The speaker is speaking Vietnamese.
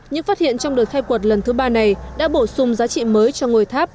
những phát hiện trong đợt khai quật lần thứ ba này đã bổ sung giá trị mới cho ngôi tháp